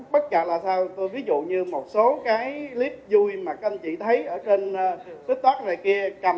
bất chợt là sao ví dụ như một số clip vui mà các anh chị thấy ở trên tiktok này kia